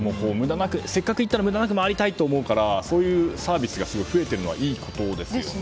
せっかく行ったら無駄なく回りたいと思うからそういうサービスはいいですね。